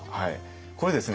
これですね